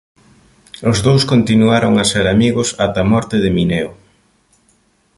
Os dous continuaron a ser amigos ata a morte de Mineo.